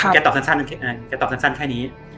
ก็ตอบสัญแค่นี้